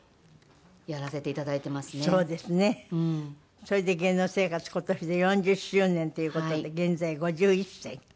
それで芸能生活今年で４０周年っていう事で現在５１歳。